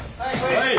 はい。